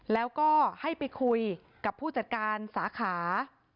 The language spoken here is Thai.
แล้วก็ให้ไปคุยกับผู้จัดการสาขา